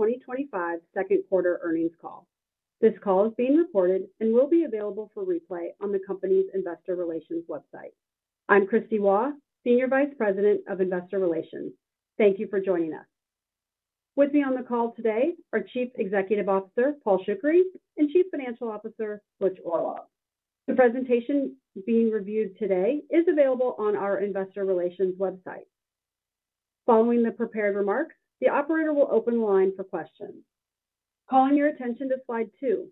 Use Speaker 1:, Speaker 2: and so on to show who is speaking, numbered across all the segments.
Speaker 1: Fiscal 2025 Q2 Earnings Call. This call is being recorded and will be available for replay on the company's investor relations website. I'm Kristie Waugh, Senior Vice President of Investor Relations. Thank you for joining us. With me on the call today are Chief Executive Officer Paul Shoukry and Chief Financial Officer Butch Oorlog. The presentation being reviewed today is available on our investor relations website. Following the prepared remarks, the operator will open the line for questions. Calling your attention to slide two.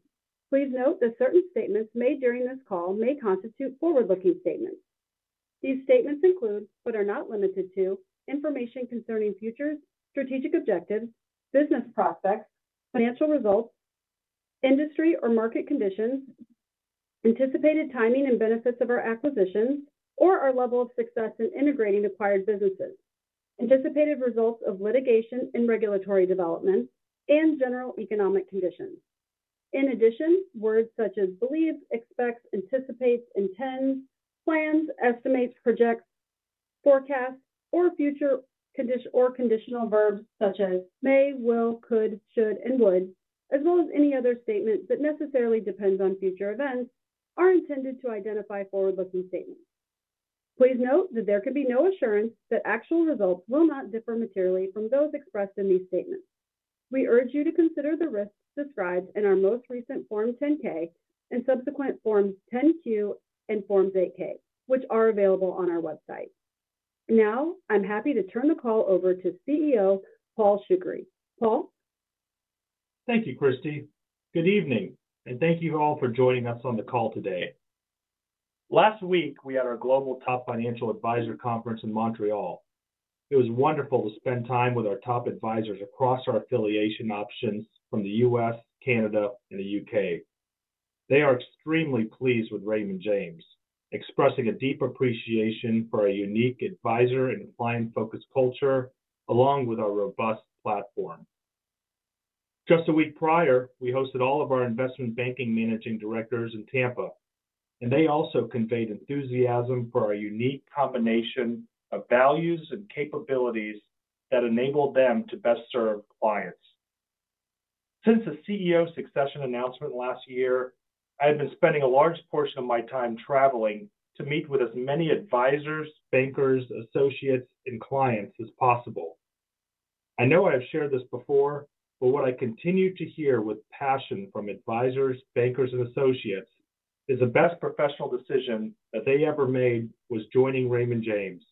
Speaker 1: Please note that certain statements made during this call may constitute forward-looking statements. These statements include, but are not limited to, information concerning futures, strategic objectives, business prospects, financial results, industry or market conditions, anticipated timing and benefits of our acquisitions, or our level of success in integrating acquired businesses, anticipated results of litigation and regulatory developments, and general economic conditions. In addition, words such as believes, expects, anticipates, intends, plans, estimates, projects, forecasts, or future conditional verbs such as may, will, could, should, and would, as well as any other statement that necessarily depends on future events, are intended to identify forward-looking statements. Please note that there can be no assurance that actual results will not differ materially from those expressed in these statements. We urge you to consider the risks described in our most recent Form 10-K and subsequent Forms 10-Q and Forms 8-K, which are available on our website. Now, I'm happy to turn the call over to CEO Paul Shoukry. Paul?
Speaker 2: Thank you, Kristie. Good evening, and thank you all for joining us on the call today. Last week, we had our Global Top Financial Advisor Conference in Montreal. It was wonderful to spend time with our top advisors across our affiliation options from the U.S., Canada, and the U.K. They are extremely pleased with Raymond James, expressing a deep appreciation for our unique advisor and client-focused culture, along with our robust platform. Just a week prior, we hosted all of our Investment Banking managing directors in Tampa, and they also conveyed enthusiasm for our unique combination of values and capabilities that enabled them to best serve clients. Since the CEO succession announcement last year, I have been spending a large portion of my time traveling to meet with as many advisors, bankers, associates, and clients as possible. I know I have shared this before, but what I continue to hear with passion from advisors, bankers, and associates is the best professional decision that they ever made was joining Raymond James,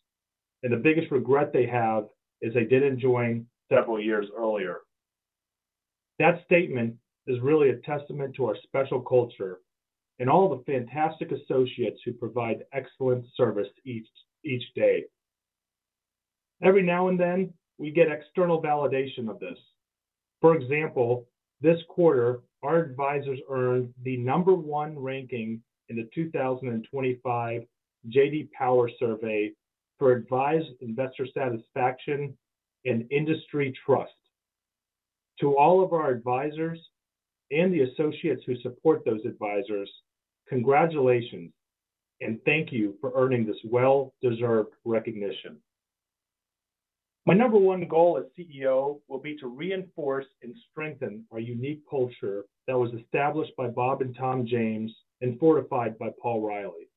Speaker 2: and the biggest regret they have is they did not join several years earlier. That statement is really a testament to our special culture and all the fantastic associates who provide excellent service each day. Every now and then, we get external validation of this. For example, this quarter, our advisors earned the number one ranking in the 2025 J.D. Power survey for advised investor satisfaction and industry trust. To all of our advisors and the associates who support those advisors, congratulations, and thank you for earning this well-deserved recognition. My number one goal as CEO will be to reinforce and strengthen our unique culture that was established by Bob and Tom James and fortified by Paul Reilly.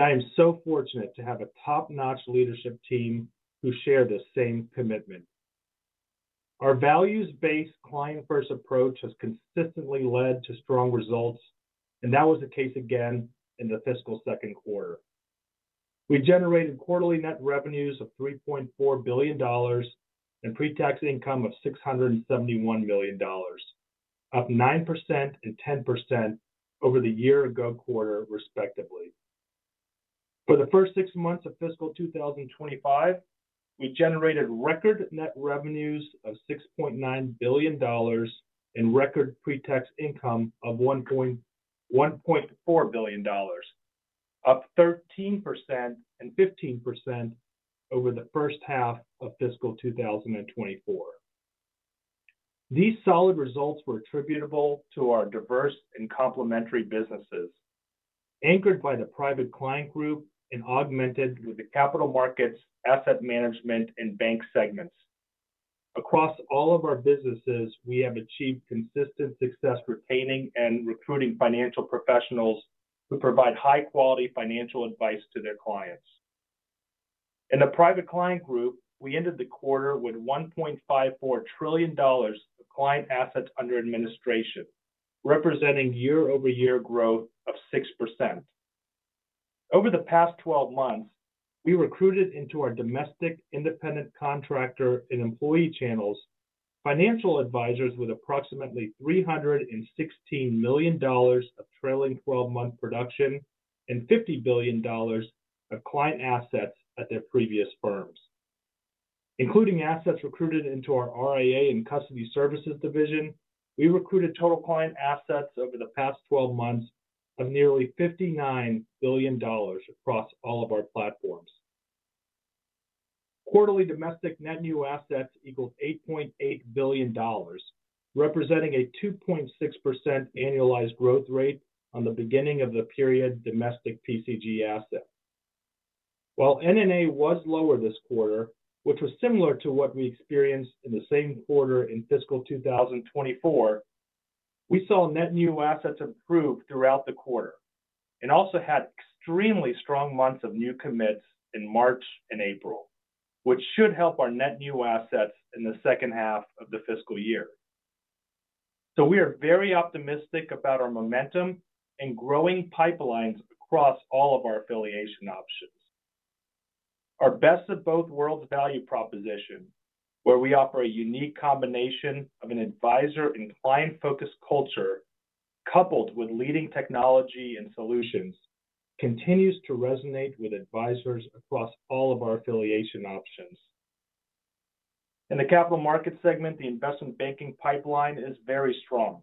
Speaker 2: I am so fortunate to have a top-notch leadership team who share this same commitment. Our values-based client-first approach has consistently led to strong results, and that was the case again in the fiscal second quarter. We generated quarterly net revenues of $3.4 billion and pre-tax income of $671 million, up 9% and 10% over the year-ago quarter, respectively. For the first six months of fiscal 2025, we generated record net revenues of $6.9 billion and record pre-tax income of $1.4 billion, up 13% and 15% over the first half of fiscal 2024. These solid results were attributable to our diverse and complementary businesses, anchored by the Private Client Group and augmented with the Capital Markets, Asset Management, and Bank segments. Across all of our businesses, we have achieved consistent success retaining and recruiting financial professionals who provide high-quality financial advice to their clients. In the Private Client Group, we ended the quarter with $1.54 trillion of client assets under administration, representing year-over-year growth of 6%. Over the past 12 months, we recruited into our domestic independent contractor and employee channels financial advisors with approximately $316 million of trailing 12-month production and $50 billion of client assets at their previous firms. Including assets recruited into our RIA and custody services division, we recruited total client assets over the past 12 months of nearly $59 billion across all of our platforms. Quarterly domestic net new assets equaled $8.8 billion, representing a 2.6% annualized growth rate on the beginning of the period domestic PCG asset. While NNA was lower this quarter, which was similar to what we experienced in the same quarter in fiscal 2024, we saw net new assets improve throughout the quarter and also had extremely strong months of new commits in March and April, which should help our net new assets in the second half of the fiscal year. We are very optimistic about our momentum and growing pipelines across all of our affiliation options. Our best of both worlds value proposition, where we offer a unique combination of an advisor and client-focused culture coupled with leading technology and solutions, continues to resonate with advisors across all of our affiliation options. In the Capital Markets segment, the Investment Banking pipeline is very strong,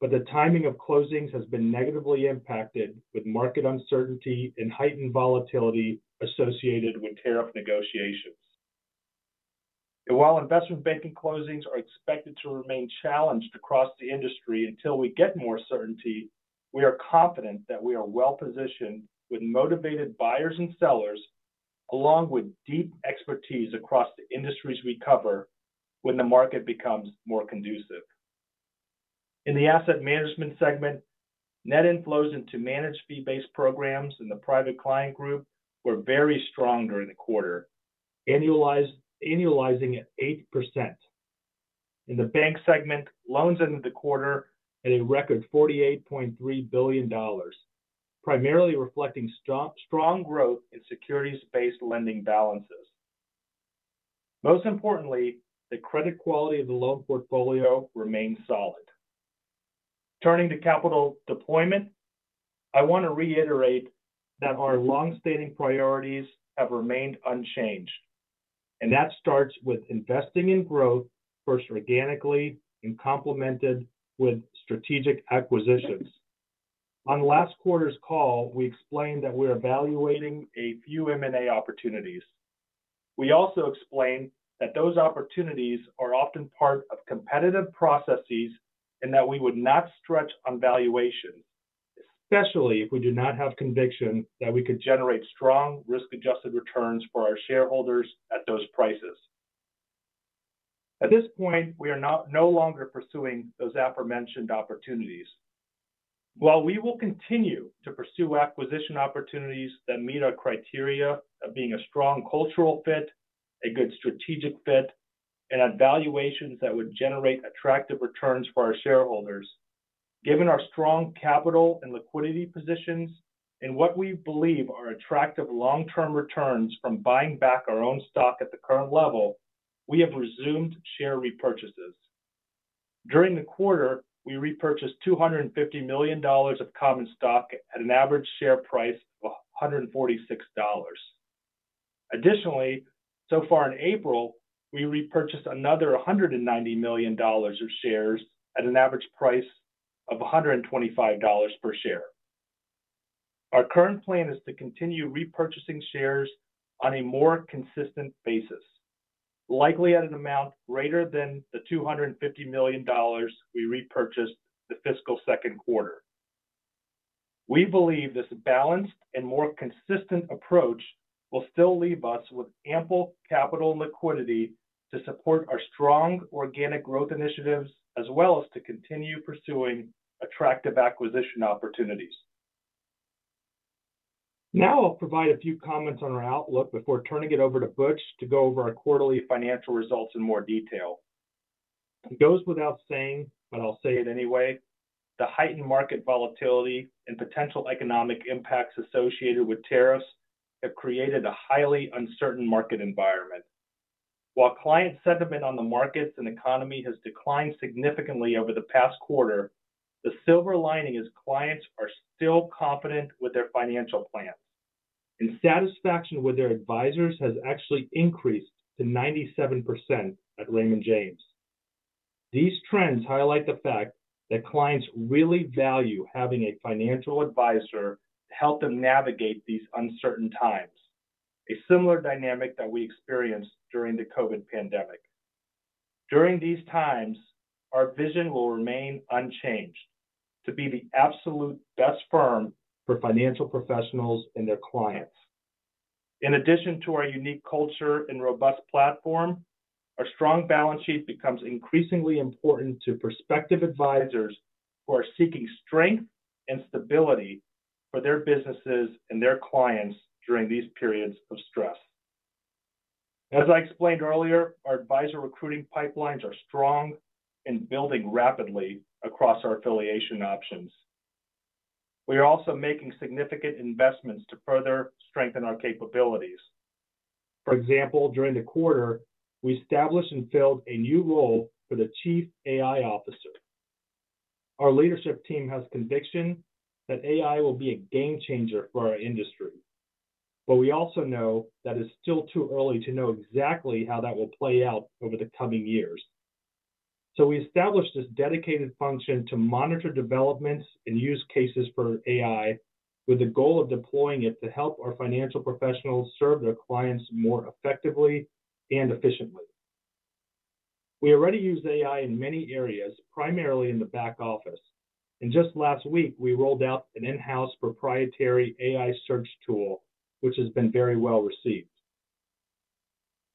Speaker 2: but the timing of closings has been negatively impacted with market uncertainty and heightened volatility associated with tariff negotiations. While Investment Banking closings are expected to remain challenged across the industry until we get more certainty, we are confident that we are well-positioned with motivated buyers and sellers, along with deep expertise across the industries we cover when the market becomes more conducive. In the Asset Management segment, net inflows into managed fee-based programs in the Private Client Group were very strong during the quarter, annualizing at 8%. In the Bank segment, loans ended the quarter at a record $48.3 billion, primarily reflecting strong growth in securities-based lending balances. Most importantly, the credit quality of the loan portfolio remained solid. Turning to capital deployment, I want to reiterate that our long-standing priorities have remained unchanged, and that starts with investing in growth first organically and complemented with strategic acquisitions. On last quarter's call, we explained that we are evaluating a few M&A opportunities. We also explained that those opportunities are often part of competitive processes and that we would not stretch on valuations, especially if we do not have conviction that we could generate strong risk-adjusted returns for our shareholders at those prices. At this point, we are no longer pursuing those aforementioned opportunities. While we will continue to pursue acquisition opportunities that meet our criteria of being a strong cultural fit, a good strategic fit, and at valuations that would generate attractive returns for our shareholders, given our strong capital and liquidity positions and what we believe are attractive long-term returns from buying back our own stock at the current level, we have resumed share repurchases. During the quarter, we repurchased $250 million of common stock at an average share price of $146. Additionally, so far in April, we repurchased another $190 million of shares at an average price of $125 per share. Our current plan is to continue repurchasing shares on a more consistent basis, likely at an amount greater than the $250 million we repurchased the fiscal second quarter. We believe this balanced and more consistent approach will still leave us with ample capital and liquidity to support our strong organic growth initiatives as well as to continue pursuing attractive acquisition opportunities. Now, I'll provide a few comments on our outlook before turning it over to Butch to go over our quarterly financial results in more detail. It goes without saying, but I'll say it anyway, the heightened market volatility and potential economic impacts associated with tariffs have created a highly uncertain market environment. While client sentiment on the markets and economy has declined significantly over the past quarter, the silver lining is clients are still confident with their financial plans, and satisfaction with their advisors has actually increased to 97% at Raymond James. These trends highlight the fact that clients really value having a financial advisor to help them navigate these uncertain times, a similar dynamic that we experienced during the COVID pandemic. During these times, our vision will remain unchanged to be the absolute best firm for financial professionals and their clients. In addition to our unique culture and robust platform, our strong balance sheet becomes increasingly important to prospective advisors who are seeking strength and stability for their businesses and their clients during these periods of stress. As I explained earlier, our advisor recruiting pipelines are strong and building rapidly across our affiliation options. We are also making significant investments to further strengthen our capabilities. For example, during the quarter, we established and filled a new role for the Chief AI Officer. Our leadership team has conviction that AI will be a game changer for our industry, but we also know that it's still too early to know exactly how that will play out over the coming years. We established this dedicated function to monitor developments and use cases for AI with the goal of deploying it to help our financial professionals serve their clients more effectively and efficiently. We already use AI in many areas, primarily in the back office, and just last week, we rolled out an in-house proprietary AI search tool, which has been very well received.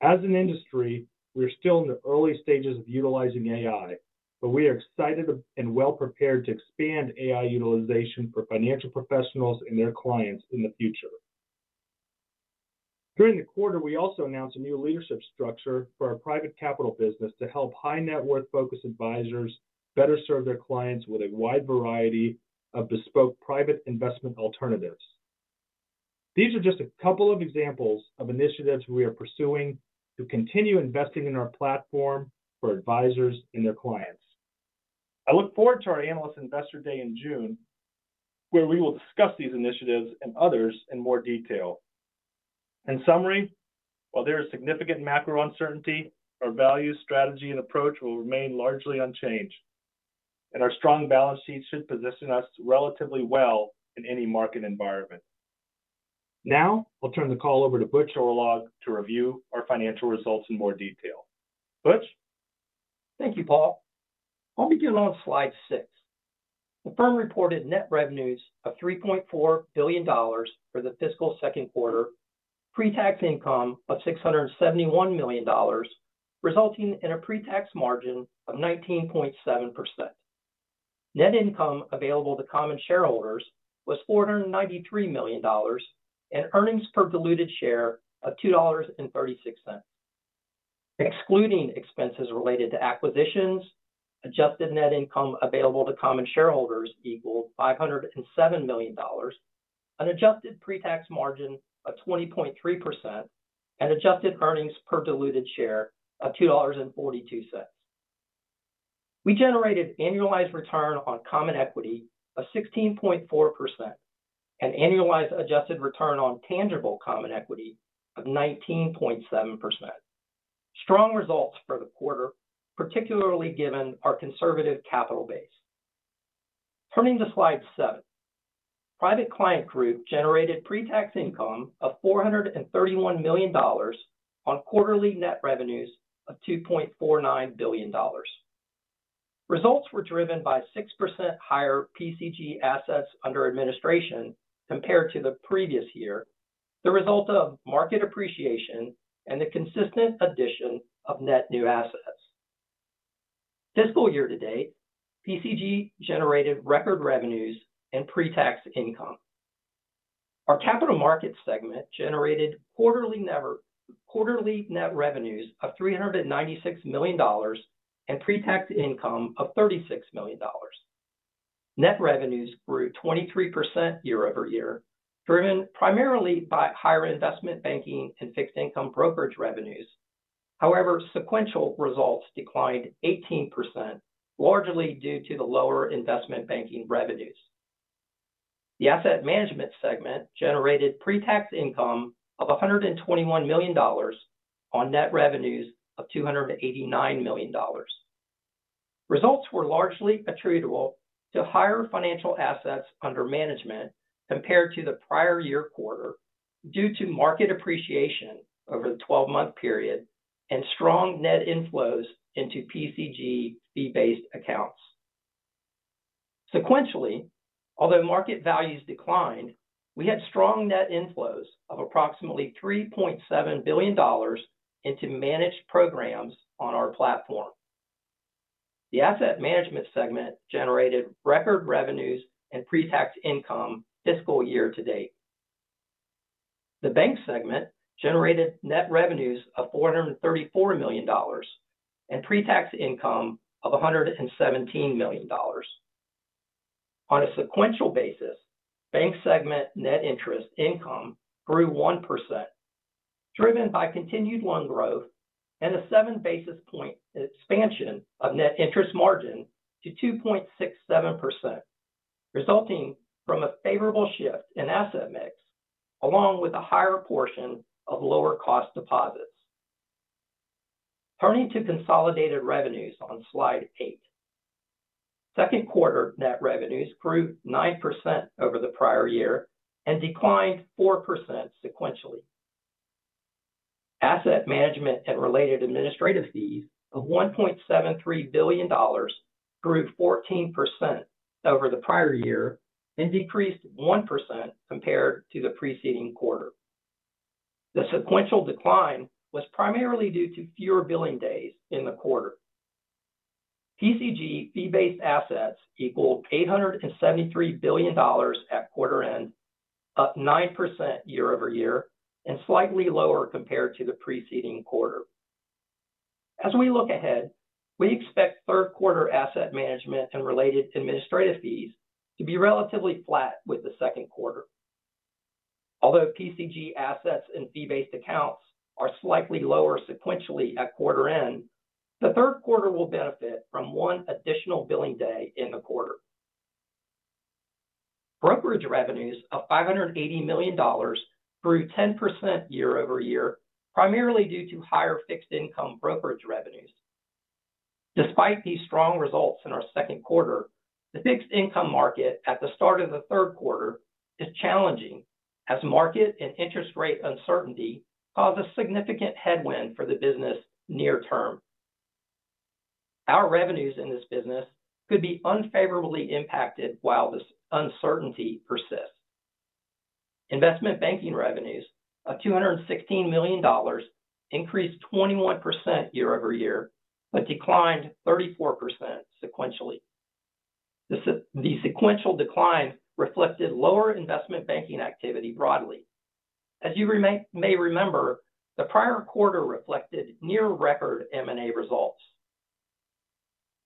Speaker 2: As an industry, we're still in the early stages of utilizing AI, but we are excited and well prepared to expand AI utilization for financial professionals and their clients in the future. During the quarter, we also announced a new leadership structure for our private capital business to help high-net-worth focus advisors better serve their clients with a wide variety of bespoke private investment alternatives. These are just a couple of examples of initiatives we are pursuing to continue investing in our platform for advisors and their clients. I look forward to our Analyst Investor Day in June, where we will discuss these initiatives and others in more detail. In summary, while there is significant macro uncertainty, our values, strategy, and approach will remain largely unchanged, and our strong balance sheet should position us relatively well in any market environment. Now, I'll turn the call over to Butch Oorlog to review our financial results in more detail. Butch?
Speaker 3: Thank you, Paul. I'll begin on slide six. The firm reported net revenues of $3.4 billion for the fiscal second quarter, pre-tax income of $671 million, resulting in a pre-tax margin of 19.7%. Net income available to common shareholders was $493 million, and earnings per diluted share of $2.36. Excluding expenses related to acquisitions, adjusted net income available to common shareholders equaled $507 million, an adjusted pre-tax margin of 20.3%, and adjusted earnings per diluted share of $2.42. We generated annualized return on common equity of 16.4% and annualized adjusted return on tangible common equity of 19.7%. Strong results for the quarter, particularly given our conservative capital base. Turning to slide seven, Private Client Group generated pre-tax income of $431 million on quarterly net revenues of $2.49 billion. Results were driven by 6% higher PCG assets under administration compared to the previous year, the result of market appreciation and the consistent addition of net new assets. Fiscal year-to-date, PCG generated record revenues and pre-tax income. Our Capital Markets segment generated quarterly net revenues of $396 million and pre-tax income of $36 million. Net revenues grew 23% year-over-year, driven primarily by higher Investment Banking and fixed income brokerage revenues. However, sequential results declined 18%, largely due to the lower Investment Banking revenues. The Asset Management segment generated pre-tax income of $121 million on net revenues of $289 million. Results were largely attributable to higher financial assets under management compared to the prior year quarter due to market appreciation over the 12-month period and strong net inflows into PCG fee-based accounts. Sequentially, although market values declined, we had strong net inflows of approximately $3.7 billion into managed programs on our platform. The Asset Management segment generated record revenues and pre-tax income fiscal year-to-date. The Bank segment generated net revenues of $434 million and pre-tax income of $117 million. On a sequential basis, Bank segment net interest income grew 1%, driven by continued loan growth and a 7 basis point expansion of net interest margin to 2.67%, resulting from a favorable shift in asset mix along with a higher portion of lower-cost deposits. Turning to consolidated revenues on slide eight, second quarter net revenues grew 9% over the prior year and declined 4% sequentially. Asset management and related administrative fees of $1.73 billion grew 14% over the prior year and decreased 1% compared to the preceding quarter. The sequential decline was primarily due to fewer billing days in the quarter. PCG fee-based assets equaled $873 billion at quarter end, up 9% year-over-year and slightly lower compared to the preceding quarter. As we look ahead, we expect third quarter Asset Management and related administrative fees to be relatively flat with the second quarter. Although PCG assets and fee-based accounts are slightly lower sequentially at quarter end, the third quarter will benefit from one additional billing day in the quarter. Brokerage revenues of $580 million grew 10% year-over-year, primarily due to higher fixed income brokerage revenues. Despite these strong results in our second quarter, the fixed income market at the start of the third quarter is challenging as market and interest rate uncertainty causes significant headwind for the business near term. Our revenues in this business could be unfavorably impacted while this uncertainty persists. Investment Banking revenues of $216 million increased 21% year-over-year, but declined 34% sequentially. The sequential decline reflected lower Investment Banking activity broadly. As you may remember, the prior quarter reflected near-record M&A results.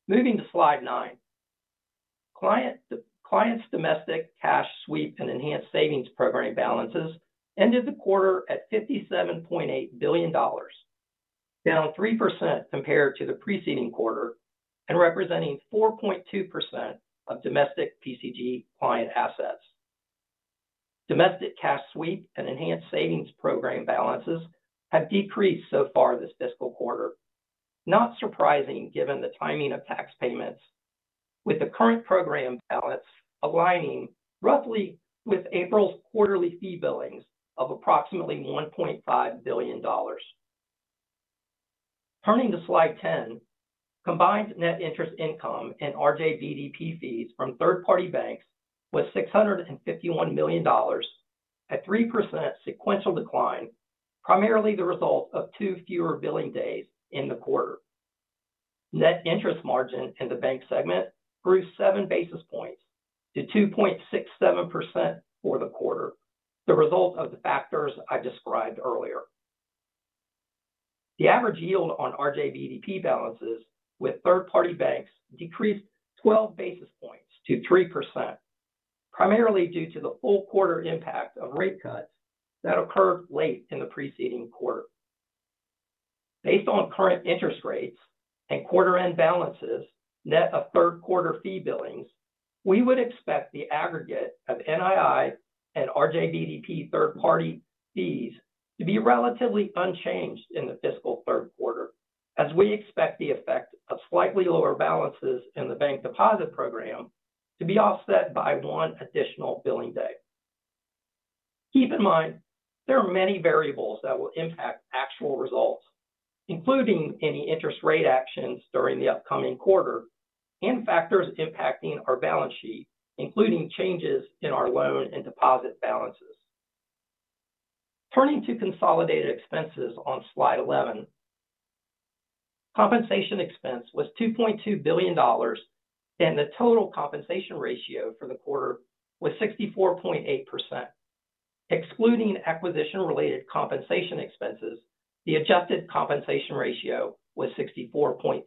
Speaker 3: Moving to slide nine, clients' domestic Cash Sweep and Enhanced Savings Program balances ended the quarter at $57.8 billion, down 3% compared to the preceding quarter and representing 4.2% of domestic PCG client assets. Domestic Cash Sweep and Enhanced Savings Program balances have decreased so far this fiscal quarter, not surprising given the timing of tax payments, with the current program balance aligning roughly with April's quarterly fee billings of approximately $1.5 billion. Turning to slide 10, combined net interest income and RJBDP fees from third-party banks was $651 million, a 3% sequential decline, primarily the result of two fewer billing days in the quarter. Net interest margin in the Bank segment grew 7 basis points to 2.67% for the quarter, the result of the factors I described earlier. The average yield on RJBDP balances with third-party banks decreased 12 basis points to 3%, primarily due to the full quarter impact of rate cuts that occurred late in the preceding quarter. Based on current interest rates and quarter-end balances net of third quarter fee billings, we would expect the aggregate of NII and RJBDP third-party fees to be relatively unchanged in the fiscal third quarter, as we expect the effect of slightly lower balances in the Bank Deposit Program to be offset by one additional billing day. Keep in mind, there are many variables that will impact actual results, including any interest rate actions during the upcoming quarter and factors impacting our balance sheet, including changes in our loan and deposit balances. Turning to consolidated expenses on slide 11, compensation expense was $2.2 billion, and the total compensation ratio for the quarter was 64.8%. Excluding acquisition-related compensation expenses, the adjusted compensation ratio was 64.5%.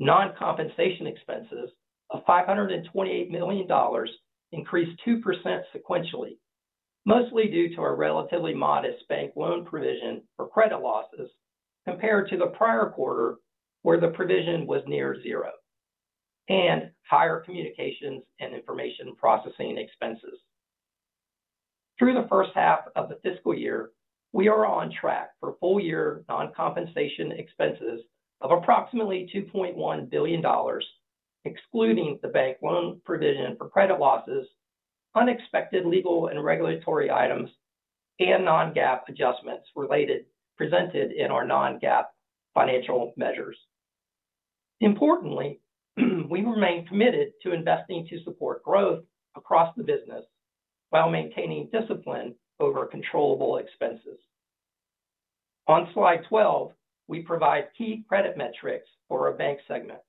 Speaker 3: Non-compensation expenses of $528 million increased 2% sequentially, mostly due to a relatively modest bank loan provision for credit losses compared to the prior quarter, where the provision was near zero, and higher communications and information processing expenses. Through the first half of the fiscal year, we are on track for full-year non-compensation expenses of approximately $2.1 billion, excluding the bank loan provision for credit losses, unexpected legal and regulatory items, and non-GAAP adjustments presented in our non-GAAP financial measures. Importantly, we remain committed to investing to support growth across the business while maintaining discipline over controllable expenses. On slide 12, we provide key credit metrics for our Bank segment.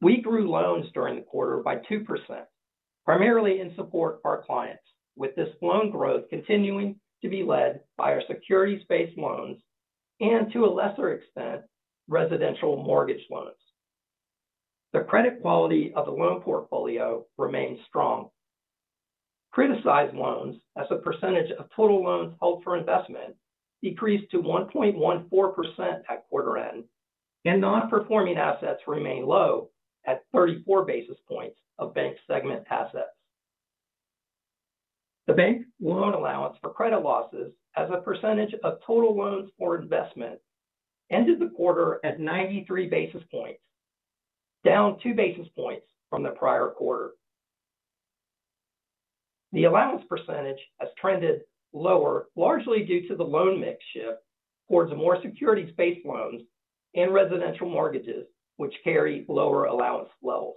Speaker 3: We grew loans during the quarter by 2%, primarily in support of our clients, with this loan growth continuing to be led by our securities-based loans and, to a lesser extent, residential mortgage loans. The credit quality of the loan portfolio remains strong. Criticized loans, as a percentage of total loans held for investment, decreased to 1.14% at quarter end, and non-performing assets remain low at 34 basis points of Bank segment assets. The bank loan allowance for credit losses, as a percentage of total loans for investment, ended the quarter at 93 basis points, down 2 basis points from the prior quarter. The allowance percentage has trended lower, largely due to the loan mix shift towards more securities-based loans and residential mortgages, which carry lower allowance levels.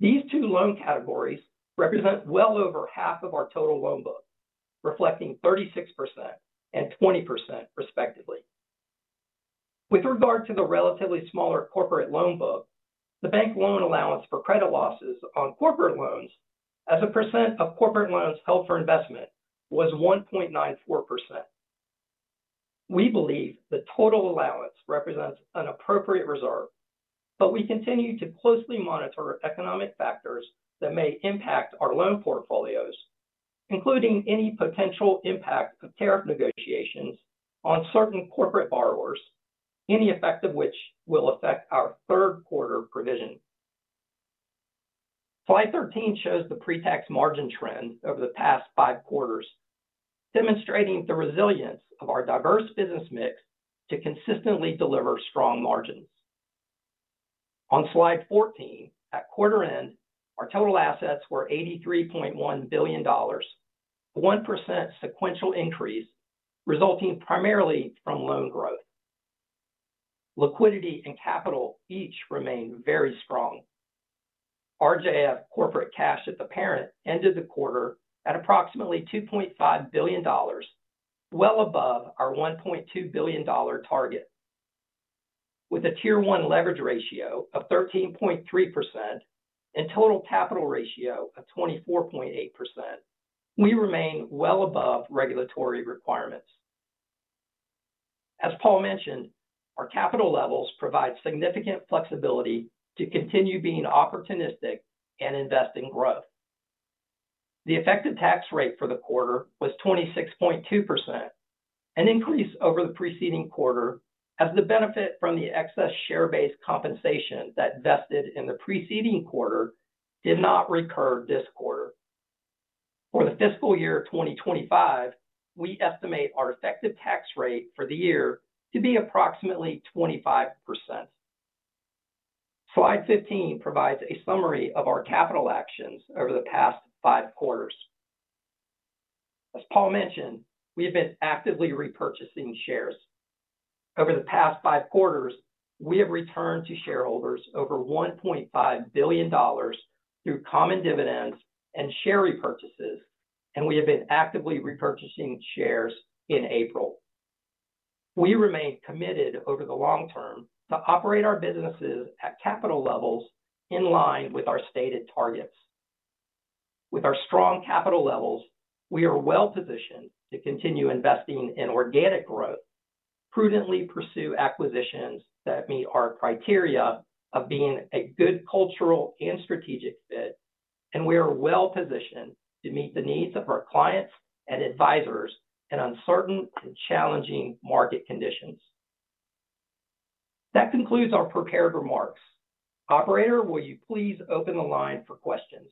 Speaker 3: These two loan categories represent well over half of our total loan book, reflecting 36% and 20%, respectively. With regard to the relatively smaller corporate loan book, the bank loan allowance for credit losses on corporate loans, as a percent of corporate loans held for investment, was 1.94%. We believe the total allowance represents an appropriate reserve, but we continue to closely monitor economic factors that may impact our loan portfolios, including any potential impact of tariff negotiations on certain corporate borrowers, any effect of which will affect our third quarter provision. Slide 13 shows the pre-tax margin trend over the past five quarters, demonstrating the resilience of our diverse business mix to consistently deliver strong margins. On slide 14, at quarter end, our total assets were $83.1 billion, a 1% sequential increase, resulting primarily from loan growth. Liquidity and capital each remain very strong. RJF corporate cash at the parent ended the quarter at approximately $2.5 billion, well above our $1.2 billion target. With a Tier 1 leverage ratio of 13.3% and total capital ratio of 24.8%, we remain well above regulatory requirements. As Paul mentioned, our capital levels provide significant flexibility to continue being opportunistic and invest in growth. The effective tax rate for the quarter was 26.2%, an increase over the preceding quarter, as the benefit from the excess share-based compensation that vested in the preceding quarter did not recur this quarter. For the fiscal year 2025, we estimate our effective tax rate for the year to be approximately 25%. Slide 15 provides a summary of our capital actions over the past five quarters. As Paul mentioned, we have been actively repurchasing shares. Over the past five quarters, we have returned to shareholders over $1.5 billion through common dividends and share repurchases, and we have been actively repurchasing shares in April. We remain committed over the long term to operate our businesses at capital levels in line with our stated targets. With our strong capital levels, we are well positioned to continue investing in organic growth, prudently pursue acquisitions that meet our criteria of being a good cultural and strategic fit, and we are well positioned to meet the needs of our clients and advisors in uncertain and challenging market conditions. That concludes our prepared remarks. Operator, will you please open the line for questions?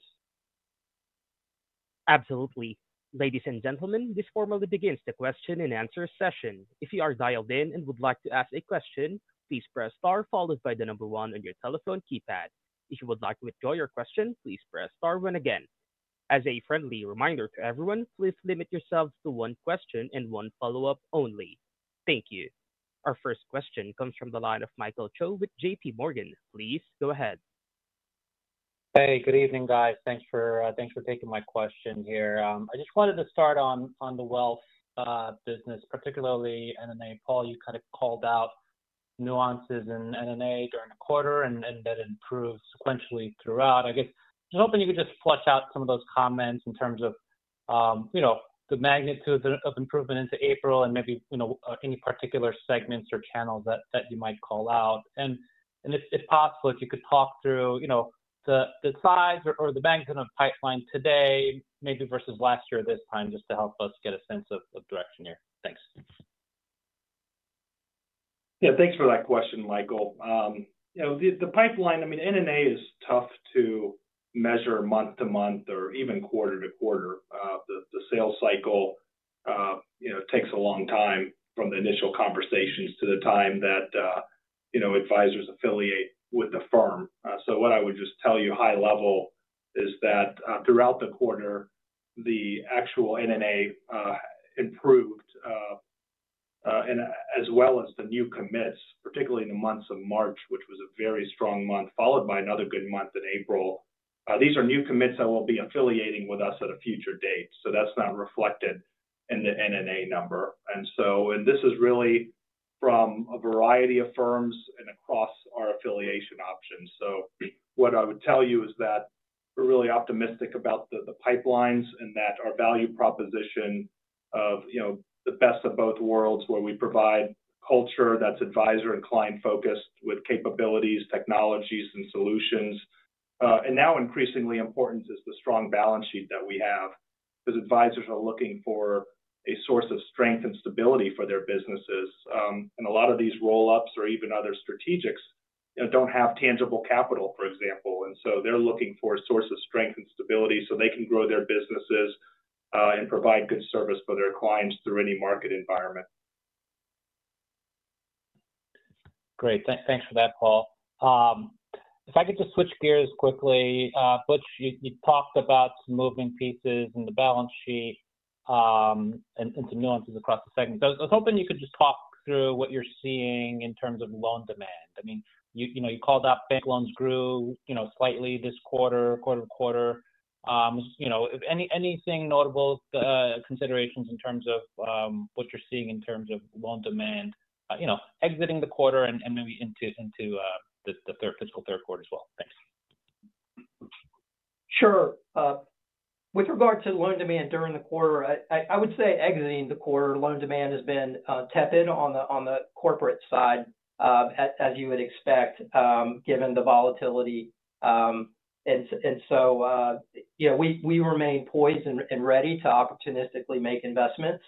Speaker 4: Absolutely. Ladies and gentlemen, this formally begins the question and answer session. If you are dialed in and would like to ask a question, please press star followed by the number one on your telephone keypad. If you would like to withdraw your question, please press star one again. As a friendly reminder to everyone, please limit yourself to one question and one follow-up only. Thank you. Our first question comes from the line of Michael Cho with JPMorgan. Please go ahead.
Speaker 5: Hey, good evening, guys. Thanks for taking my question here. I just wanted to start on the wealth business, particularly NNA. Paul, you kind of called out nuances in NNA during the quarter, and that improved sequentially throughout. I guess just hoping you could just flesh out some of those comments in terms of the magnitude of improvement into April and maybe any particular segments or channels that you might call out. If possible, if you could talk through the size or the magnitude of the pipeline today, maybe versus last year at this time, just to help us get a sense of direction here. Thanks.
Speaker 2: Yeah, thanks for that question, Michael. The pipeline, I mean, NNA is tough to measure month to month or even quarter-to-quarter. The sales cycle takes a long time from the initial conversations to the time that advisors affiliate with the firm. What I would just tell you high level is that throughout the quarter, the actual NNA improved, as well as the new commits, particularly in the months of March, which was a very strong month, followed by another good month in April. These are new commits that will be affiliating with us at a future date. That is not reflected in the NNA number. This is really from a variety of firms and across our affiliation options. What I would tell you is that we are really optimistic about the pipelines and that our value proposition of the best of both worlds, where we provide culture that is advisor and client-focused with capabilities, technologies, and solutions. Increasingly important is the strong balance sheet that we have, because advisors are looking for a source of strength and stability for their businesses. A lot of these roll-ups or even other strategics do not have tangible capital, for example. They are looking for a source of strength and stability so they can grow their businesses and provide good service for their clients through any market environment.
Speaker 5: Great. Thanks for that, Paul. If I could just switch gears quickly, Butch, you talked about some moving pieces in the balance sheet and some nuances across the segment. I was hoping you could just talk through what you are seeing in terms of loan demand. I mean, you called out bank loans grew slightly this quarter, quarter-to-quarter. Anything notable, considerations in terms of what you're seeing in terms of loan demand, exiting the quarter and maybe into the fiscal third quarter as well? Thanks.
Speaker 3: Sure. With regard to loan demand during the quarter, I would say exiting the quarter, loan demand has been tepid on the corporate side, as you would expect, given the volatility. We remain poised and ready to opportunistically make investments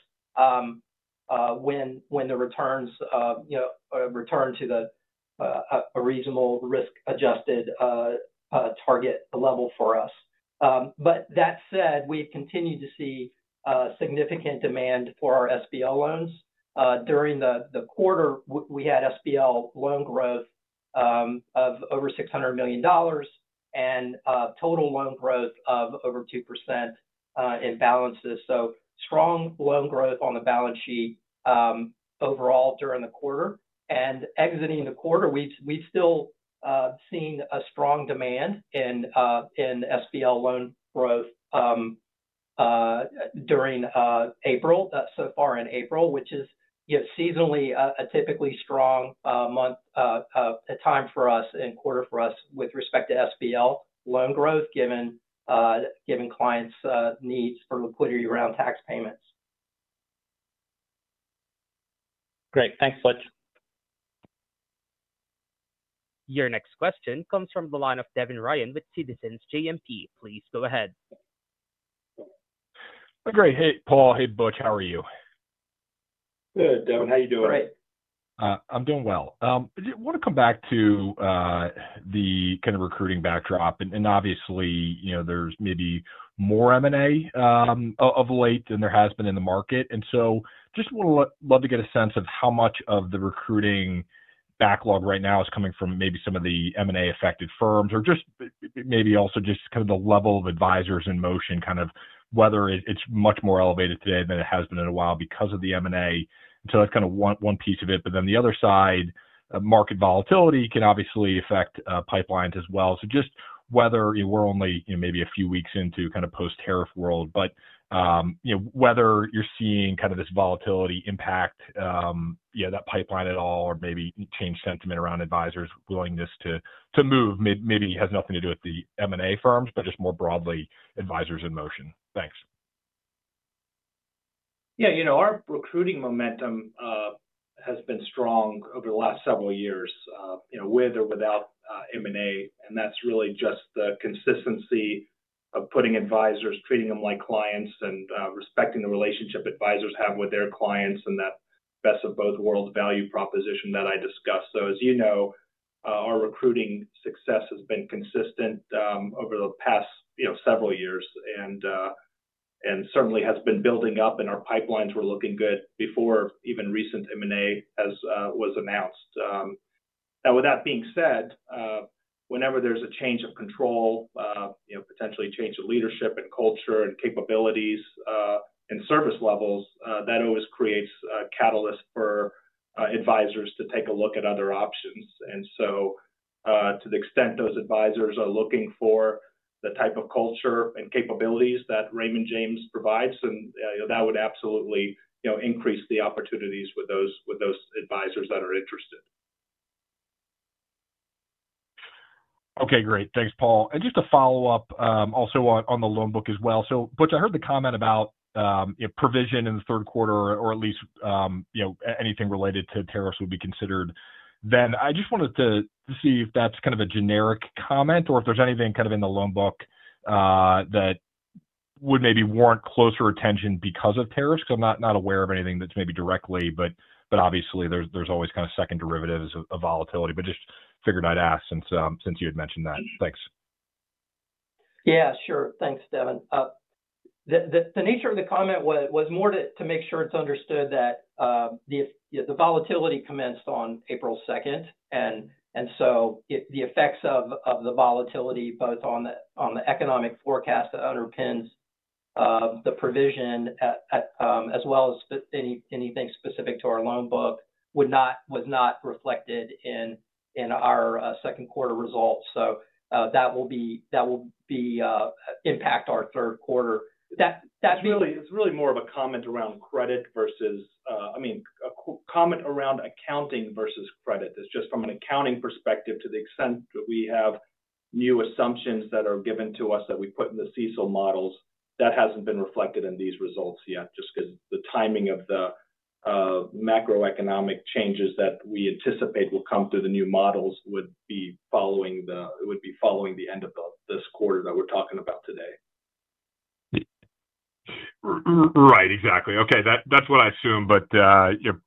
Speaker 3: when the returns return to a reasonable risk-adjusted target level for us. That said, we've continued to see significant demand for our SBL loans. During the quarter, we had SBL loan growth of over $600 million and total loan growth of over 2% in balances. Strong loan growth on the balance sheet overall during the quarter. Exiting the quarter, we've still seen a strong demand in SBL loan growth during April, so far in April, which is seasonally a typically strong month, a time for us and quarter for us with respect to SBL loan growth, given clients' needs for liquidity around tax payments.
Speaker 5: Great. Thanks, Butch.
Speaker 4: Your next question comes from the line of Devin Ryan with Citizens JMP. Please go ahead.
Speaker 6: Hey, Paul. Hey, Butch. How are you?
Speaker 2: Good, Devin. How are you doing?
Speaker 6: Great. I'm doing well. I want to come back to the kind of recruiting backdrop. Obviously, there's maybe more M&A of late than there has been in the market. Just would love to get a sense of how much of the recruiting backlog right now is coming from maybe some of the M&A-affected firms, or just maybe also just kind of the level of advisors in motion, kind of whether it is much more elevated today than it has been in a while because of the M&A. That is kind of one piece of it. The other side, market volatility can obviously affect pipelines as well. Just whether we are only maybe a few weeks into kind of post-tariff world, but whether you are seeing kind of this volatility impact that pipeline at all or maybe change sentiment around advisors' willingness to move maybe has nothing to do with the M&A firms, but just more broadly advisors in motion? Thanks.
Speaker 2: Yeah. Our recruiting momentum has been strong over the last several years with or without M&A. That is really just the consistency of putting advisors, treating them like clients, and respecting the relationship advisors have with their clients and that best of both worlds value proposition that I discussed. As you know, our recruiting success has been consistent over the past several years and certainly has been building up, and our pipelines were looking good before even recent M&A was announced. Now, with that being said, whenever there is a change of control, potentially a change of leadership and culture and capabilities and service levels, that always creates a catalyst for advisors to take a look at other options. To the extent those advisors are looking for the type of culture and capabilities that Raymond James provides, then that would absolutely increase the opportunities with those advisors that are interested.
Speaker 6: Okay. Great. Thanks, Paul. Just to follow up also on the loan book as well. Butch, I heard the comment about provision in the third quarter, or at least anything related to tariffs would be considered then. I just wanted to see if that's kind of a generic comment or if there's anything kind of in the loan book that would maybe warrant closer attention because of tariffs. Because I'm not aware of anything that's maybe directly, but obviously, there's always kind of second derivatives of volatility. I just figured I'd ask since you had mentioned that. Thanks.
Speaker 3: Yeah, sure. Thanks, Devin. The nature of the comment was more to make sure it's understood that the volatility commenced on April 2nd. The effects of the volatility, both on the economic forecast that underpins the provision as well as anything specific to our loan book, was not reflected in our second quarter results. That will impact our third quarter. It's really more of a comment around accounting versus credit. It's just from an accounting perspective to the extent that we have new assumptions that are given to us that we put in the CECL models. That hasn't been reflected in these results yet, just because the timing of the macroeconomic changes that we anticipate will come through the new models would be following the end of this quarter that we're talking about today.
Speaker 6: Right. Exactly. Okay. That's what I assume, but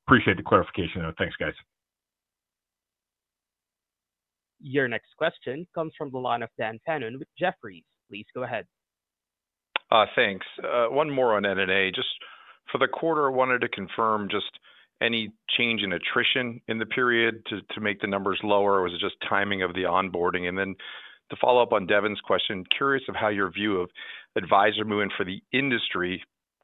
Speaker 6: appreciate the clarification. Thanks, guys.
Speaker 4: Your next question comes from the line of Dan Fannon with Jefferies. Please go ahead.
Speaker 7: Thanks. One more on NNA. Just for the quarter, I wanted to confirm just any change in attrition in the period to make the numbers lower, or was it just timing of the onboarding? To follow up on Devin's question, curious of how your view of advisor movement for the industry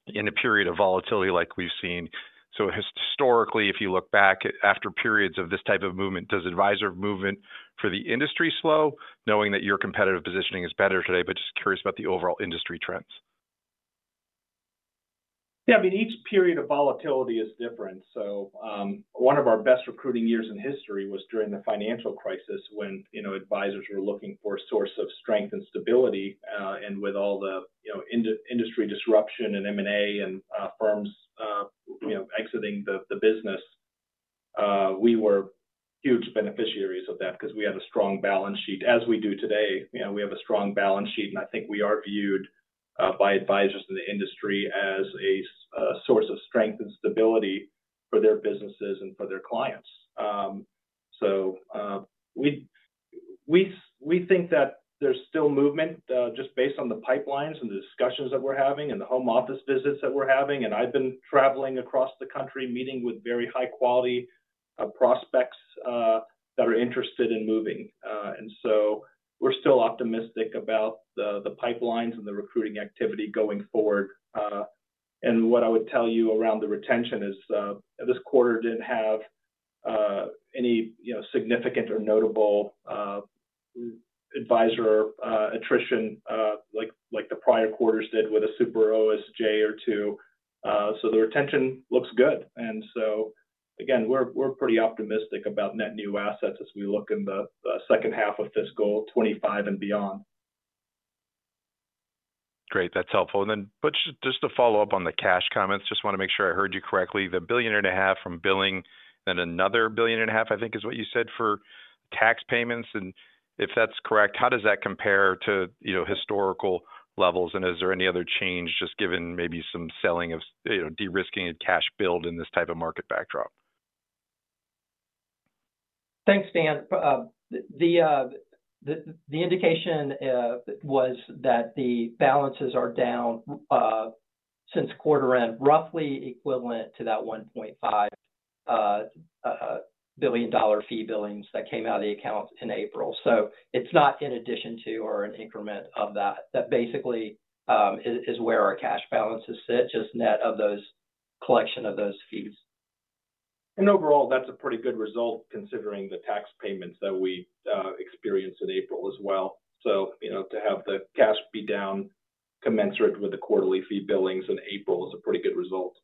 Speaker 7: in a period of volatility like we've seen. Historically, if you look back after periods of this type of movement, does advisor movement for the industry slow, knowing that your competitive positioning is better today, but just curious about the overall industry trends?
Speaker 2: Yeah. I mean, each period of volatility is different. One of our best recruiting years in history was during the financial crisis when advisors were looking for a source of strength and stability. With all the industry disruption and M&A and firms exiting the business, we were huge beneficiaries of that because we had a strong balance sheet. As we do today, we have a strong balance sheet, and I think we are viewed by advisors in the industry as a source of strength and stability for their businesses and for their clients. We think that there's still movement just based on the pipelines and the discussions that we're having and the home office visits that we're having. I have been traveling across the country meeting with very high-quality prospects that are interested in moving. We are still optimistic about the pipelines and the recruiting activity going forward. What I would tell you around the retention is this quarter did not have any significant or notable advisor attrition like the prior quarters did with a super OSJ or two. The retention looks good. We are pretty optimistic about net new assets as we look in the second half of fiscal 2025 and beyond.
Speaker 7: Great. That is helpful. Butch, just to follow up on the cash comments, I just want to make sure I heard you correctly. The $1.5 billion from billing, then another $1.5 billion, I think, is what you said for tax payments. If that is correct, how does that compare to historical levels? Is there any other change, just given maybe some selling of de-risking and cash build in this type of market backdrop?
Speaker 3: Thanks, Dan. The indication was that the balances are down since quarter end, roughly equivalent to that $1.5 billion fee billings that came out of the accounts in April. It is not in addition to or an increment of that. That basically is where our cash balances sit, just net of those collection of those fees.
Speaker 2: Overall, that's a pretty good result considering the tax payments that we experienced in April as well. To have the cash be down commensurate with the quarterly fee billings in April is a pretty good result.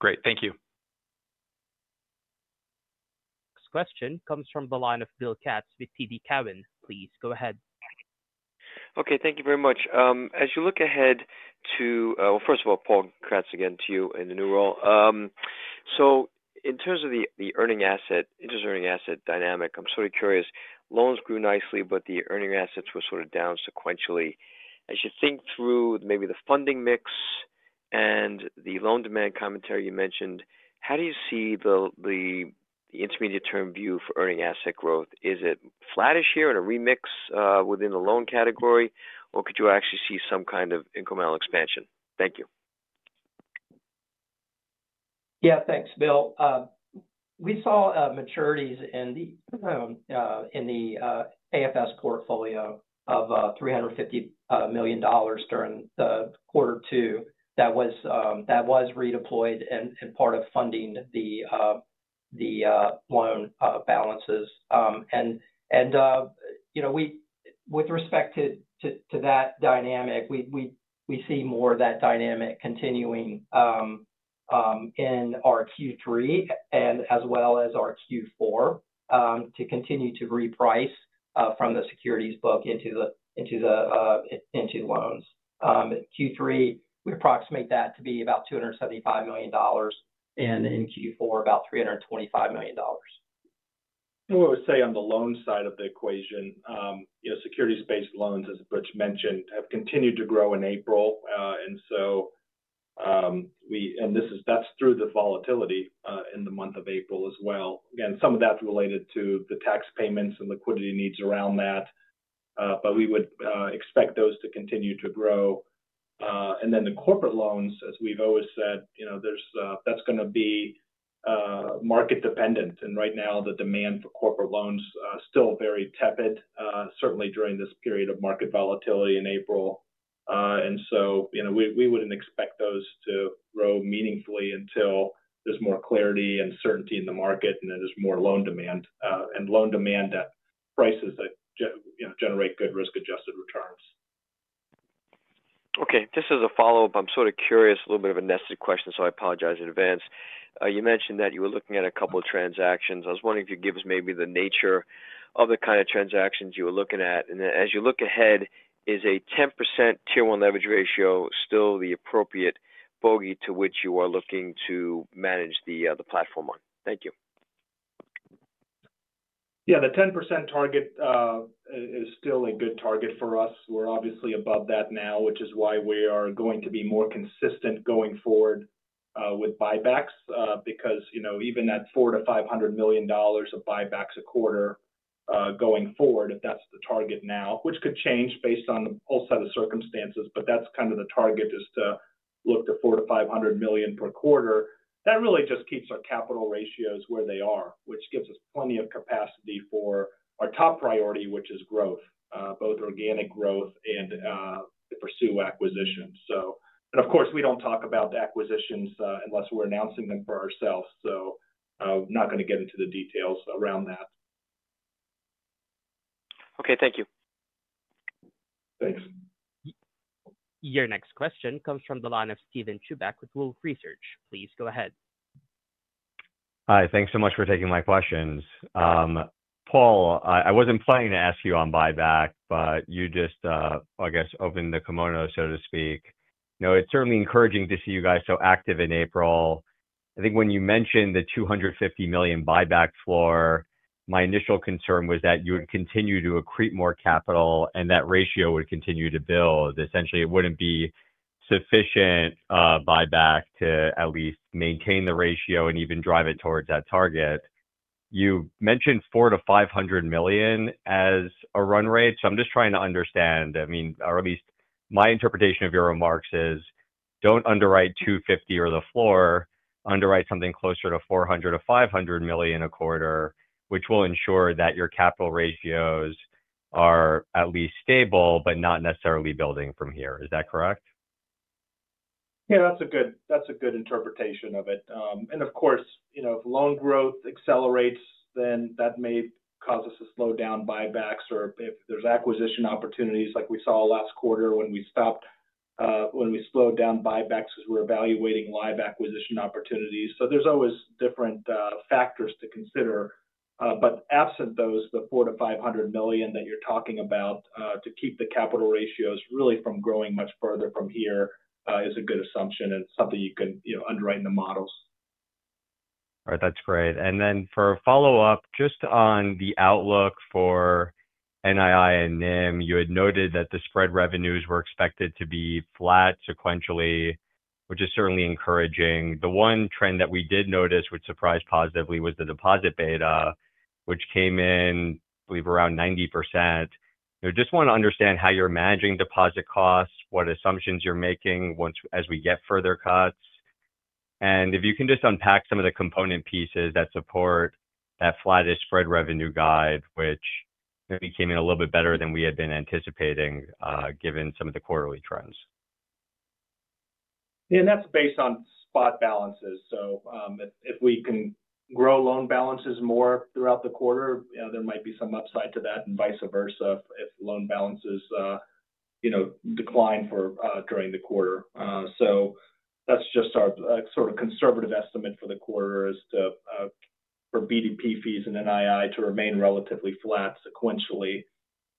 Speaker 7: Great. Thank you.
Speaker 4: Next question comes from the line of Bill Katz with TD Cowen. Please go ahead.
Speaker 8: Thank you very much. As you look ahead to, first of all, Paul, congrats again to you in the new role. In terms of the interest earning asset dynamic, I'm sort of curious. Loans grew nicely, but the earning assets were sort of down sequentially. As you think through maybe the funding mix and the loan demand commentary you mentioned, how do you see the intermediate-term view for earning asset growth? Is it flattish here in a remix within the loan category, or could you actually see some kind of incremental expansion? Thank you.
Speaker 3: Yeah thanks, Bill. We saw maturities in the AFS portfolio of $350 million during the quarter two that was redeployed and part of funding the loan balances. With respect to that dynamic, we see more of that dynamic continuing in our Q3 and as well as our Q4 to continue to reprice from the securities book into the loans. Q3, we approximate that to be about $275 million, and in Q4, about $325 million.
Speaker 2: We will say on the loan side of the equation, securities-based loans, as Butch mentioned, have continued to grow in April. This is through the volatility in the month of April as well. Again, some of that's related to the tax payments and liquidity needs around that, but we would expect those to continue to grow. The corporate loans, as we've always said, that's going to be market-dependent. Right now, the demand for corporate loans is still very tepid, certainly during this period of market volatility in April. We wouldn't expect those to grow meaningfully until there's more clarity and certainty in the market and there's more loan demand and loan demand at prices that generate good risk-adjusted returns.
Speaker 8: Okay. Just as a follow-up, I'm sort of curious, a little bit of a nested question, so I apologize in advance. You mentioned that you were looking at a couple of transactions. I was wondering if you could give us maybe the nature of the kind of transactions you were looking at. As you look ahead, is a 10% Tier 1 leverage ratio still the appropriate bogey to which you are looking to manage the platform on? Thank you.
Speaker 2: Yeah. The 10% target is still a good target for us. We're obviously above that now, which is why we are going to be more consistent going forward with buybacks because even at $400 million-$500 million of buybacks a quarter going forward, if that's the target now, which could change based on the whole set of circumstances, but that's kind of the target is to look to $400 million-$500 million per quarter. That really just keeps our capital ratios where they are, which gives us plenty of capacity for our top priority, which is growth, both organic growth and pursue acquisitions. Of course, we don't talk about acquisitions unless we're announcing them for ourselves. I'm not going to get into the details around that.
Speaker 8: Okay. Thank you.
Speaker 2: Thanks.
Speaker 4: Your next question comes from the line of Steven Chubak with Wolfe Research. Please go ahead.
Speaker 9: Hi. Thanks so much for taking my questions. Paul, I wasn't planning to ask you on buyback, but you just, I guess, opened the kimono, so to speak. It's certainly encouraging to see you guys so active in April. I think when you mentioned the $250 million buyback floor, my initial concern was that you would continue to accrete more capital and that ratio would continue to build. Essentially, it wouldn't be sufficient buyback to at least maintain the ratio and even drive it towards that target. You mentioned $400 million-$500 million as a run rate. I'm just trying to understand. I mean, or at least my interpretation of your remarks is don't underwrite $250 million or the floor. Underwrite something closer to $400 million-$500 million a quarter, which will ensure that your capital ratios are at least stable, but not necessarily building from here. Is that correct?
Speaker 2: Yeah. That's a good interpretation of it. Of course, if loan growth accelerates, then that may cause us to slow down buybacks or if there's acquisition opportunities like we saw last quarter when we slowed down buybacks because we're evaluating live acquisition opportunities. There are always different factors to consider. Absent those, the $400 million-$500 million that you're talking about to keep the capital ratios really from growing much further from here is a good assumption and something you can underwrite in the models.
Speaker 9: All right. That's great. For a follow-up, just on the outlook for NII and NIM, you had noted that the spread revenues were expected to be flat sequentially, which is certainly encouraging. The one trend that we did notice which surprised positively was the deposit beta, which came in, I believe, around 90%. I just want to understand how you're managing deposit costs, what assumptions you're making as we get further cuts. If you can just unpack some of the component pieces that support that flattish spread revenue guide, which maybe came in a little bit better than we had been anticipating given some of the quarterly trends.
Speaker 2: Yeah. That's based on spot balances. If we can grow loan balances more throughout the quarter, there might be some upside to that and vice versa if loan balances decline during the quarter. That's just our sort of conservative estimate for the quarter is for BDP fees and NII to remain relatively flat sequentially.